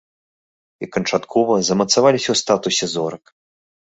І канчаткова замацаваліся ў статусе зорак.